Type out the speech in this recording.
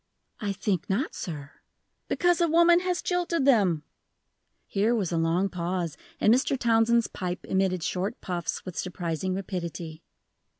"I think not, sir." "Because a woman has jilted them!" Here was a long pause, and Mr. Townsend's pipe emitted short puffs with surprising rapidity.